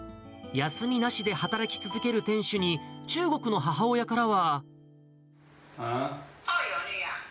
休みなしで働き続ける店主に、中国の母親からは。